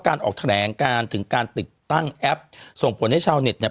ออกแถลงการถึงการติดตั้งแอปส่งผลให้ชาวเน็ตเนี่ย